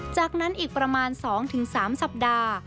จากนั้นอีกประมาณ๒๓สัปดาห์